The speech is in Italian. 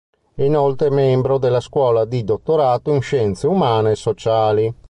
È inoltre membro della Scuola di Dottorato in Scienze Umane e Sociali.